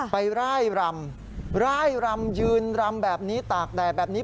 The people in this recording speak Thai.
ร่ายรำร่ายรำยืนรำแบบนี้ตากแดดแบบนี้